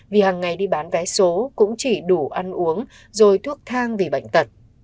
vì hàng ngày đi bán vé số cũng chỉ đủ ăn uống rồi thuốc thang vì bệnh tật